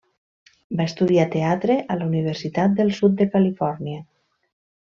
Va estudiar teatre a la Universitat del Sud de Califòrnia.